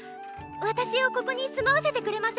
私をここに住まわせてくれませんか